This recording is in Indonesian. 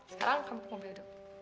sekarang kamu ke mobil